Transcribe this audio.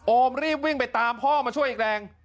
รีบวิ่งไปตามพ่อมาช่วยอีกแรง